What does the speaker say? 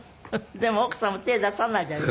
でも奥さんも手出さないじゃない。